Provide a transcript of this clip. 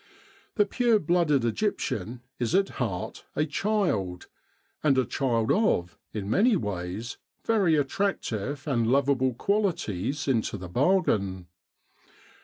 The pure blooded Egyptian is at heart a child; and a child of, in many ways, very attractive and lovable qualities into the bargain.